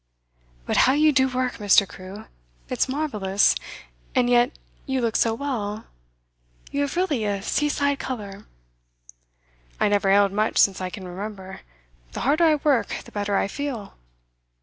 'But how you do work, Mr. Crewe! It's marvellous. And yet you look so well, you have really a seaside colour!' 'I never ailed much since I can remember. The harder I work, the better I feel.